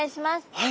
はい。